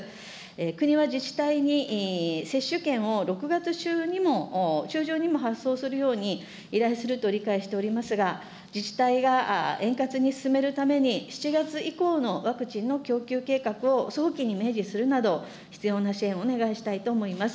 国は自治体に接種券を６月中にも、中旬にも発送するように依頼すると理解しておりますが、自治体が円滑に進めるために、７月以降のワクチンの供給計画を早期に明示するなど、必要な支援をお願いしたいと思います。